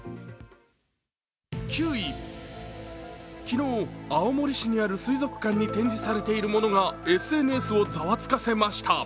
９位、昨日、青森市にある水族館に展示されているものがＳＮＳをざわつかせました。